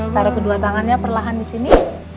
taruh kedua tangannya perlahan disini